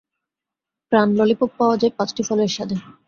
প্রাণ ললিপপ পাওয়া যায় পাঁচটি ফলের স্বাদে।